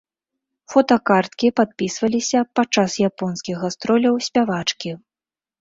Фотакарткі падпісваліся падчас японскіх гастроляў спявачкі.